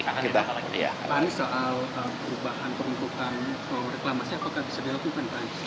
pak anies soal perubahan peruntukan reklamasnya apakah bisa diakui